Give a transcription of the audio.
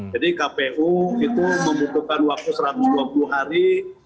kpu itu membutuhkan waktu satu ratus dua puluh hari